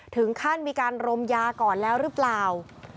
ถึงขั้นมีการรมยาก่อนแล้วหรือเปล่า